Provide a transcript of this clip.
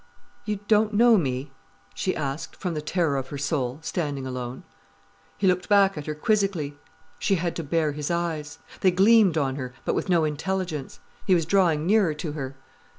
"You don't know me?" she asked, from the terror of her soul, standing alone. He looked back at her quizzically. She had to bear his eyes. They gleamed on her, but with no intelligence. He was drawing nearer to her.